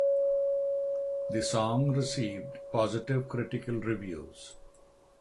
The song received positive critical reviews.